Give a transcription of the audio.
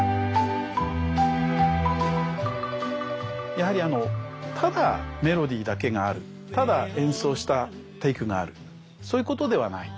やはりただメロディーだけがあるただ演奏したテイクがあるそういうことではない。